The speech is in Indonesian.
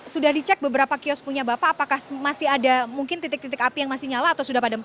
sudah dicek beberapa kios punya bapak apakah masih ada mungkin titik titik api yang masih nyala atau sudah padam